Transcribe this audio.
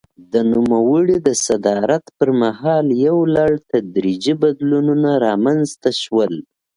د نوموړي د صدارت پر مهال یو لړ تدریجي بدلونونه رامنځته شول.